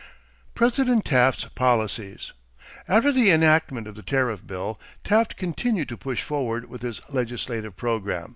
=President Taft's Policies.= After the enactment of the tariff bill, Taft continued to push forward with his legislative program.